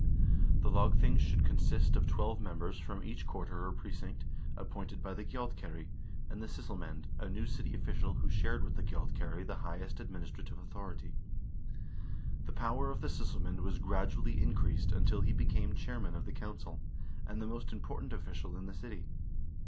The lagthing should consist of twelve members from each quarter or precinct, appointed by the gjaldkeri, and the sysselmand, a new city official who shared with the gjaldkeri the highest administrative authority. The power of the sysselmand was gradually increased until he became chairman of the council, and the most important official in the city.